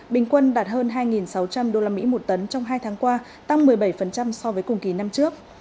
bình quân đạt hơn hai sáu trăm linh đô la mỹ một tấn trong hai tháng qua tăng một mươi bảy so với cùng kỳ năm trước